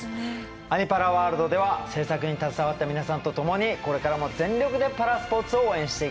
「アニ×パラワールド」では制作に携わった皆さんと共にこれからも全力でパラスポーツを応援していきたいと思います。